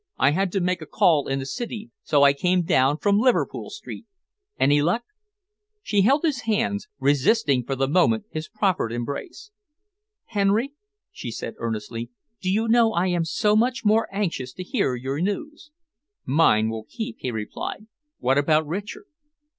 "I had to make a call in the city so I came down from Liverpool Street. Any luck?" She held his hands, resisting for the moment his proffered embrace. "Henry," she said earnestly, "do you know I am so much more anxious to hear your news." "Mine will keep," he replied. "What about Richard?"